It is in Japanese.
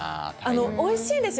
おいしいんですよ